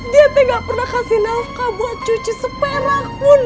diatte gak pernah kasih nafkah buat cuci sepera pun